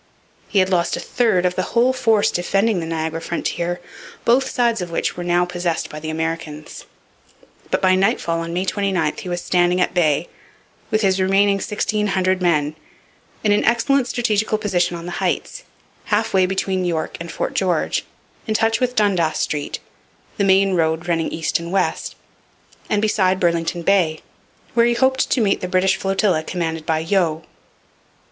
He had lost a third of the whole force defending the Niagara frontier, both sides of which were now possessed by the Americans. But by nightfall on May 29 he was standing at bay, with his remaining sixteen hundred men, in an excellent strategical position on the Heights, half way between York and Fort George, in touch with Dundas Street, the main road running east and west, and beside Burlington Bay, where he hoped to meet the British flotilla commanded by Yeo.